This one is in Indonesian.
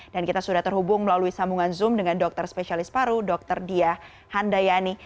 dan kita sudah terhubung melalui sambungan zoom dengan dokter spesialis paru dokter diyah handayani